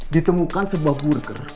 ditemukan sebuah burger